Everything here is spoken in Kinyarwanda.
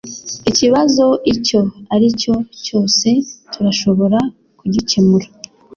Ikibazo icyo aricyo cyose turashobora kugikemura